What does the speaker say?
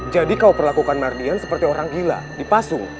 jadi kau perlakukan merdian seperti orang gila dipasung